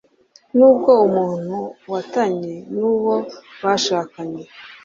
nubwo umuntu watanye n'uwo bashakanye